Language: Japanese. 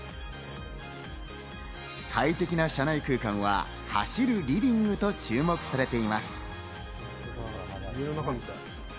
快適な車内空間は走るリビングと注目されています。